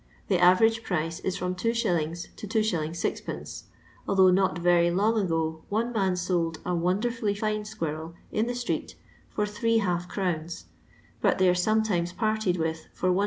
The average price is from 2s. to 2s. 6d.f although not very long ago one man sold a "wonderfully fine squirrel" in the street for three half crowns, but they are sometimes parted with for Is.